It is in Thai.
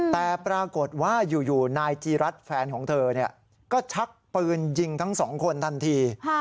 แต่ปรากฏว่าอยู่นายจีรัฐแฟนของเธอก็ชักปืนยิงทั้งสองคนทันที